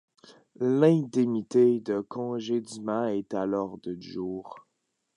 L'indemnité de congédiement est à l'ordre du jour.